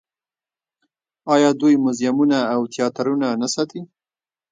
آیا دوی موزیمونه او تیاترونه نه ساتي؟